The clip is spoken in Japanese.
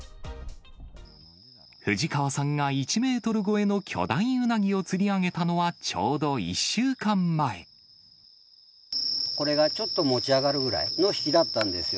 藤川さんが１メートル超えの巨大ウナギを釣り上げたのはちょうどこれがちょっと持ち上がるぐらいの引きだったんですよ。